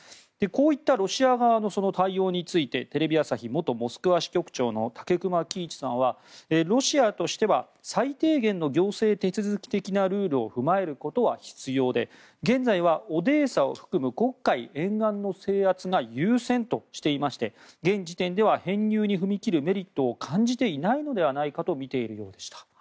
こういったロシア側の対応についてテレビ朝日元モスクワ支局長の武隈喜一さんはロシアとしては最低限の行政手続き的なルールを踏まえることは必要で現在はオデーサを含む黒海沿岸の制圧が優先としていまして現時点では編入に踏み切るメリットを感じていないのではないかと見ているようでした。